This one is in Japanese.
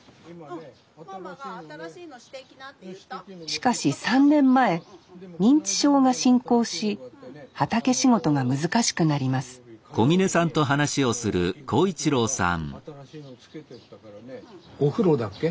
しかし３年前認知症が進行し畑仕事が難しくなりますお風呂だっけ？